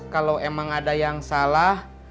kalau emang ada yang salah